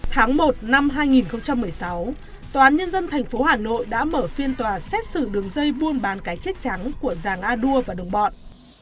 tháng một năm hai nghìn một mươi sáu tòa án nhân dân tp hà nội đã mở phiên tòa xét xử đường dây buôn bán cái chết trắng của giàng a đua và đồng bọn